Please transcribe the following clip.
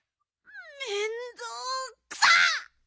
めんどくさ！